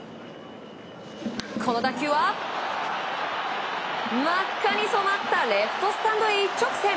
この打球は、真っ赤に染まったレフトスタンドへ一直線。